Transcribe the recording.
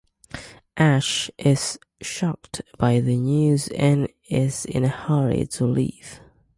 Ash is shocked by the news and is in a hurry to leave.